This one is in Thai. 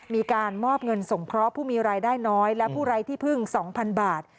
มีการมอบเงินส่งเคราะห์ผู้มีรายได้น้อยและผู้ไร้ที่พึ่ง๒๐๐๐บาท